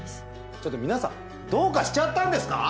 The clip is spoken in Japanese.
ちょっと皆さんどうかしちゃったんですか？